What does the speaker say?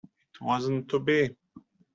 It wasn't to be.